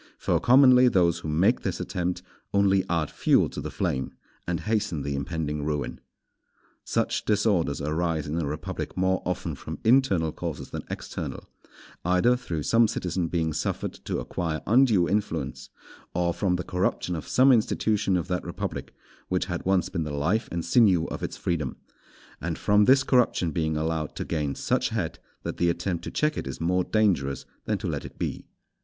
For commonly those who make this attempt only add fuel to the flame, and hasten the impending ruin. Such disorders arise in a republic more often from internal causes than external, either through some citizen being suffered to acquire undue influence, or from the corruption of some institution of that republic, which had once been the life and sinew of its freedom; and from this corruption being allowed to gain such head that the attempt to check it is more dangerous than to let it be.